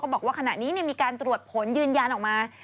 บอกว่าขณะนี้มีการตรวจผลยืนยันออกมา